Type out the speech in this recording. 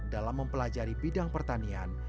dalam mempelajari bidang pertanian